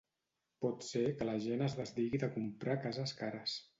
Pot ser que la gent es desdigui de comprar cases cares.